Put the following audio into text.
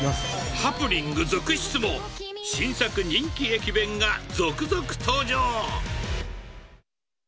ハプニング続出も、新作人気駅弁が続々登場！